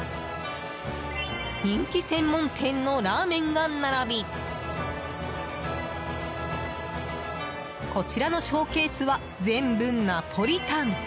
人気専門店のラーメンが並びこちらのショーケースは全部、ナポリタン。